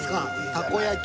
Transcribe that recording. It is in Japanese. たこ焼き。